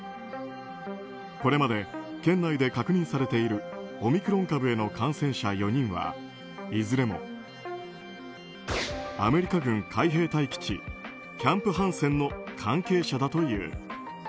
これまで県内で確認されているオミクロン株への感染者４人はいずれもアメリカ軍海兵隊基地キャンプ・ハンセンの関係者だという。